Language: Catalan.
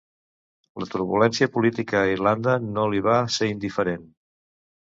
La turbulència política a Irlanda no li va ser indiferent.